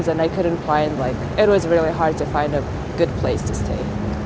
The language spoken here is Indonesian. sangat sulit untuk menemukan tempat yang baik untuk menemukan